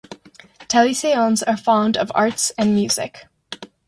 Talisayons are fond of arts and music.